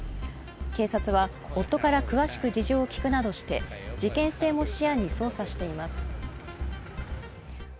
警察は、夫から詳しく事情を聴くなどして事件性も視野に捜査しています。